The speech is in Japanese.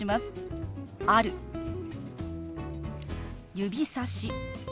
「指さし」。